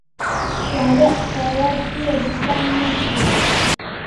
Warek kawa kia dukan ne shian e?